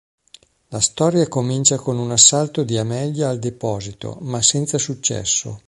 La storia comincia con un assalto di Amelia al deposito, ma senza successo.